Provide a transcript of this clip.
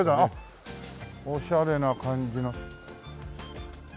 おしゃれな感じの。